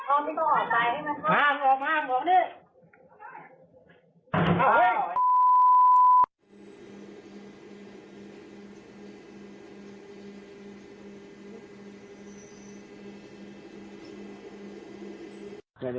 อ้าวไม่ต้องออกไปนะครับ